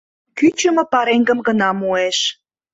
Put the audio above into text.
Кӱчымӧ пареҥгым гына муэш.